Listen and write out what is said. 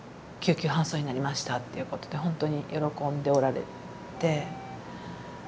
救急搬送になりましたっていうことでほんとに喜んでおられて。